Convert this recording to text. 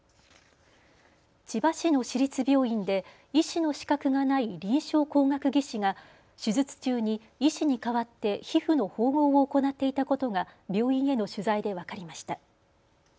千葉市の市立病院で医師の資格がない臨床工学技士が手術中に医師に代わって皮膚の縫合を行っていたことが病院への取材で分かりました。